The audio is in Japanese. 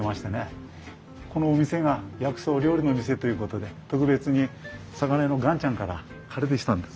このお店が薬草料理の店ということで特別に魚屋の元ちゃんから借りてきたんです。